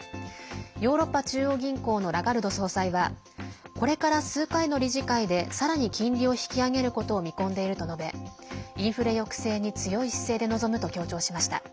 ヨーロッパ中央銀行のラガルド総裁はこれから数回の理事会でさらに金利を引き上げることを見込んでいると述べインフレ抑制に強い姿勢で臨むと強調しました。